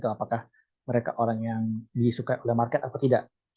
apakah mereka orang yang disukai oleh market atau tidak